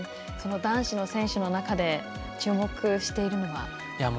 男子の選手の中で注目しているのは？